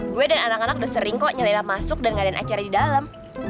gue dan anak anak udah sering kok nyelela masuk dan ngadain acara di dalam